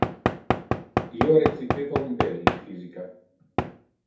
Io recipeva un B in physica.